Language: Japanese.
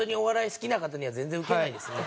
好きな方には全然ウケないですね。